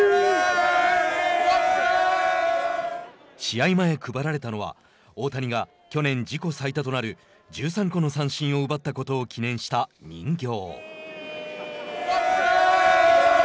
試合前配られたのは大谷が去年自己最多となる１３個の三振を奪ったことを記念した人形。